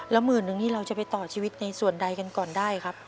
แล้ว๑๐๐๐๐บาทนี่เราจะไปต่อชีวิตในส่วนใดกันก่อนได้ครับ